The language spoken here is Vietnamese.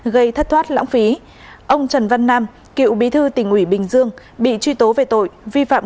gây thất thoát lãng phí ông trần văn nam cựu bí thư tỉnh ủy bình dương bị truy tố về tội vi phạm